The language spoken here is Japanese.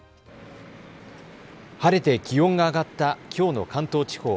晴れて気温が上がったきょうの関東地方。